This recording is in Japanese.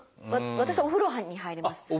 私お風呂に入ります。